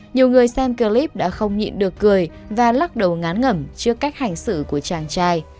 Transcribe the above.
nhiều người xem clip đã không nhịn được cười và lắc đầu ngán ngẩm trước cách hành xử của chàng trai